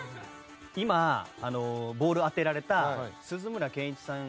今、ボールを当てられた鈴村健一さん